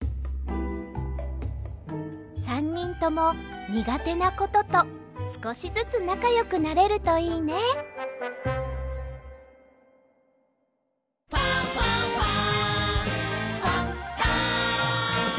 ３にんともにがてなこととすこしずつなかよくなれるといいね「ファンファンファン」